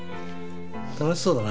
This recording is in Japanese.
楽しそうだな。